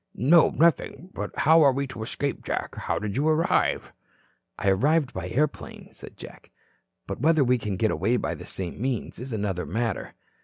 "No, nothing. But how are we to escape, Jack? How did you arrive?" "I arrived by airplane," said Jack. "But whether we can get away by the same means is another matter."